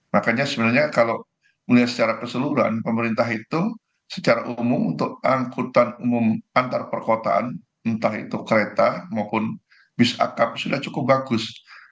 makanya sebenarnya kalau melihat secara keseluruhan pemerintah itu secara umum untuk angkutan umum antar perkotaan entah itu kereta maupun bis akap sudah cukup bagus